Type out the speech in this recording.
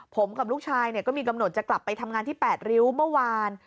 ผมกับลูกชายก็มีกำหนดจะกลับไปทำงานที่๘ริ้วเมื่อวาน